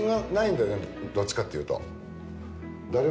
どっちかというと。